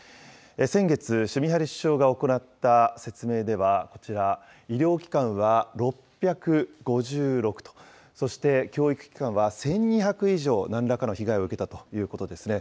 先月、シュミハリ首相が行った説明では、こちら、医療機関は６５６と、そして教育機関は１２００以上、何らかの被害を受けたということですね。